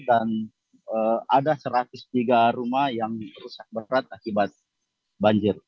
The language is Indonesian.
dan ada satu ratus tiga rumah yang rusak berat akibat banjir